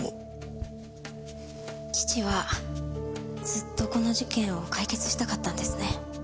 父はずっとこの事件を解決したかったんですね。